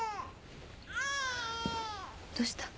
どうした？